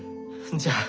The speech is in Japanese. じゃあ。